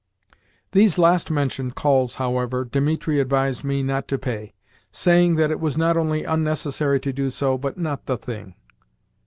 These last mentioned calls, however, Dimitri advised me not to pay: saying that it was not only unnecessary to do so, but not the thing.